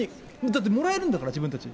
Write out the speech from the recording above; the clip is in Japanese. だってもらえるんだから、自分たち。